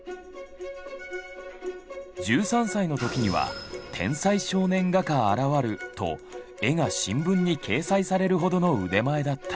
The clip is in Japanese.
１３歳の時には「天才少年画家現る」と絵が新聞に掲載されるほどの腕前だった。